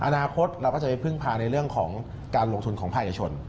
อนาคตเราก็จะไปพึ่งพาในเรื่องของการลงทุนของภาคเอกชน